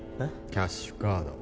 キャッシュカード